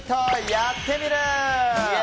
「やってみる。」。